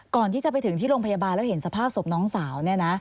ก่อนที่จะไปถึงที่โรงพยาบาลแล้วเห็นสภาพศพน้องสาวเนี่ยนะ